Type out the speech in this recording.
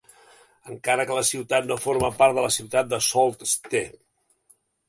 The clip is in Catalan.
Encara que la ciutat no forma part de la ciutat de Sault Ste.